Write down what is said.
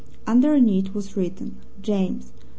Underneath was written: "James.